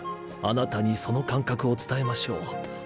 あなたにその感覚を伝えましょう